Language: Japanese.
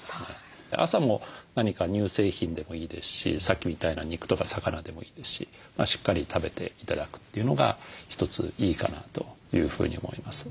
朝も何か乳製品でもいいですしさっきみたいな肉とか魚でもいいですししっかり食べて頂くというのが一ついいかなというふうに思います。